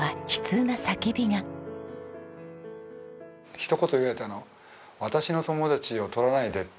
ひと言言われたの「私の友達を取らないで」。